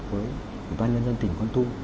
với bàn nhân dân tỉnh con tung